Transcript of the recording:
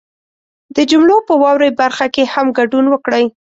د جملو په واورئ برخه کې هم ګډون وکړئ